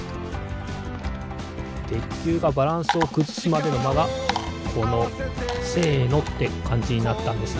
てっきゅうがバランスをくずすまでのまがこの「せの！」ってかんじになったんですね。